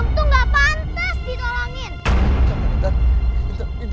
om tuh gak pantas ditolongin